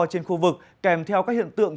trên khu vực kèm theo các hiện tượng